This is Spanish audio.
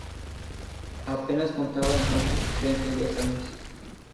Apenas contaba entonces treinta y dos años.